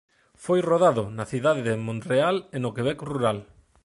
Foi rodado na cidade de Montreal e no Quebec rural.